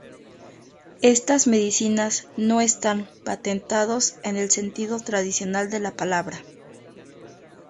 Estas medicinas no están "patentados" en el sentido tradicional de la palabra.